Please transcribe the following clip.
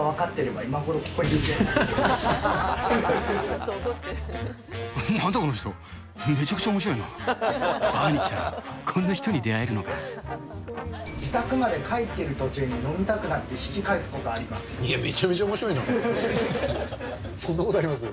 バーに来たら、こんな人に出会え自宅まで帰ってる途中に、飲みたくなって引き返すことあります。